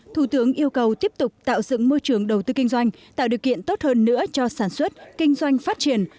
thủ tướng yêu cầu tiếp tục tạo dựng môi trường đầu tư kinh doanh tạo điều kiện tốt hơn nữa cho sản xuất kinh doanh phát triển